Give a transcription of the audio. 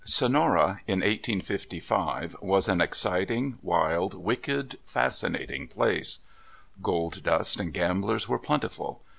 SONORA, in 1855, was an exciting, wild, wicked, fascinating place. Gold dust and gamblers were plentiful.